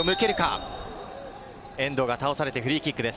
遠藤が倒されてフリーキックです。